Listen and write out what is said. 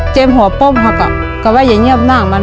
หัวป้มค่ะก็ว่าอย่าเงียบหน้ามัน